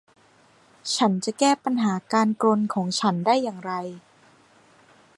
ฉันจะแก้ปัญหาการกรนของฉันได้อย่างไร